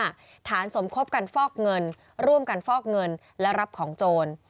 ฐานสมคบกันฟอกเงินร่วมกันฟอกเงินและรับของโจร